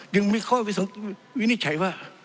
ยังไม่ค่อยวินิจฉัยว่า